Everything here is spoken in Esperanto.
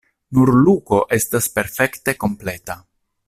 Nur Luko estas perfekte kompleta.